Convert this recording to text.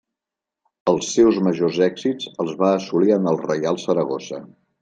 Els seus majors èxits els va assolir en el Reial Saragossa.